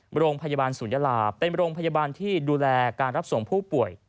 โรงพยาบาลศูนยาลาเป็นโรงพยาบาลที่ดูแลการรับส่งผู้ป่วย